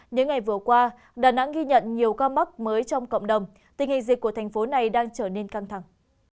những ngày vừa qua đà nẵng ghi nhận nhiều ca mắc mới trong cộng đồng tình hình dịch của thành phố này đang trở nên căng thẳng